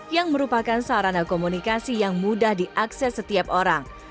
yang merupakan sarana komunikasi yang mudah diakses setiap orang